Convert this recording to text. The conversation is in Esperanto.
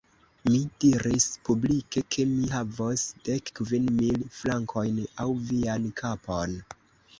Mi diris publike, ke mi havos dek kvin mil frankojn aŭ vian kapon.